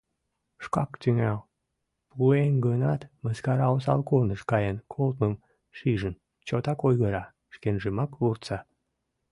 Шкак тӱҥал пуэн гынат, мыскара осал корныш каен колтымым шижын, чотак ойгыра, шкенжымак вурса: